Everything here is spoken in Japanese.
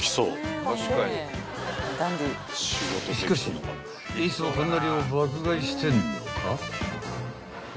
［しかしいつもこんな量を爆買いしてんのか？］